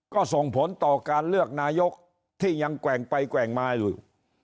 ก็ส่งผลต่อการเลือกนายกที่ยังแกว่งไปแกว่งมาอยู่